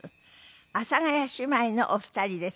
阿佐ヶ谷姉妹のお二人です。